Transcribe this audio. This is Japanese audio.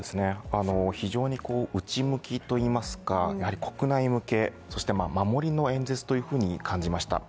非常に内向きといいますか、国内向けそして守りの演説というふうに感じました。